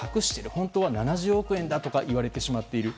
本当は７０億円だとかと言われてしまっている。